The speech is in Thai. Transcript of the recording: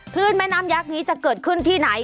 แม่น้ำยักษ์นี้จะเกิดขึ้นที่ไหน